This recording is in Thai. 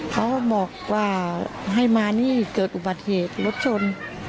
เขาบอกว่าให้มานี่เกิดอุบัติเหตุรถชน